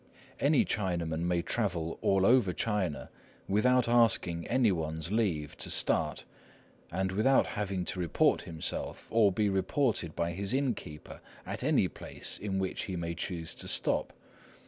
Any Chinaman may travel all over China without asking any one's leave to start, and without having to report himself, or be reported by his innkeeper, at any place at which he may choose to stop.